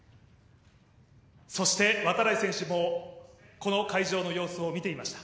そして度会選手もこの会場様子を見ていました。